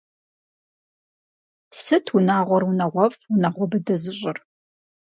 Сыт унагъуэр унагъуэфӏ, унагъуэ быдэ зыщӏыр?